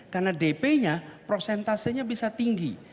karena dp nya prosentasenya bisa tinggi